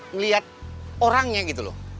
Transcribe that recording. ngeliat orangnya gitu loh